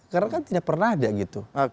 karena kan tidak pernah ada gitu